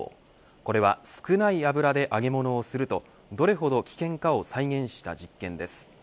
これは少ない油で揚げ物をするとどれほど危険かを再現した実験です。